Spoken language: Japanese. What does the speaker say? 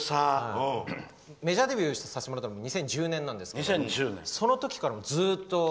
メジャーデビューさせてもらったのが２０１０年なんですけどその時から、ずっと。